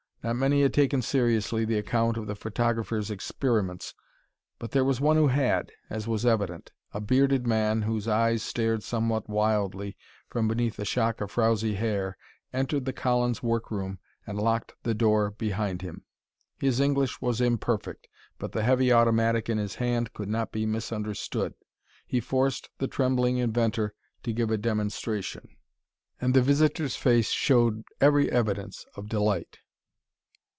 Not many had taken seriously the account of the photographer's experiments, but there was one who had, as was evident. A bearded man, whose eyes stared somewhat wildly from beneath a shock of frowzy hair, entered the Collins work room and locked the door behind him. His English was imperfect, but the heavy automatic in his hand could not be misunderstood. He forced the trembling inventor to give a demonstration, and the visitor's face showed every evidence of delight.